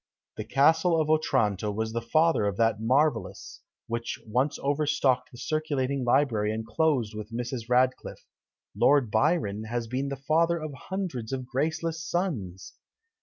The Castle of Otranto was the father of that marvellous, which once over stocked the circulating library and closed with Mrs. Radcliffe. Lord Byron has been the father of hundreds of graceless sons!